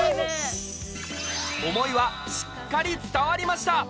思いはしっかり伝わりました！